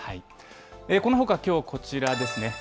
このほかきょう、こちらですね。